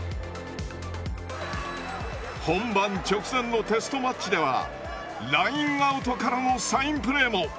本番直前のテストマッチではラインアウトからのサインプレーも。